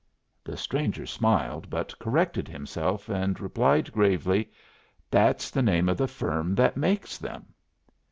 The stranger smiled, but corrected himself, and replied gravely, "That's the name of the firm that makes them."